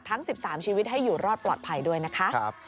ทั้ง๑๓ชีวิตให้อยู่รอดปลอดภัยด้วยนะคะ